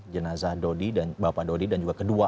jenazah dodi dan bapak dodi dan juga kedua